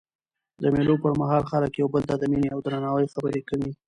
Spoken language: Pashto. د مېلو پر مهال خلک یو بل ته د میني او درناوي خبري کوي.